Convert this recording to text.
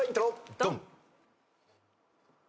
ドン！